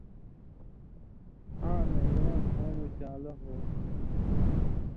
آں نہ اِواں کؤں مُچان٘لو ہو تھو۔